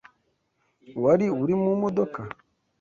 Wari uri mu modoka?